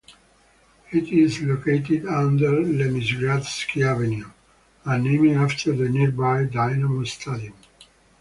It is located under Leningradsky Avenue, and named after the nearby Dinamo Stadium.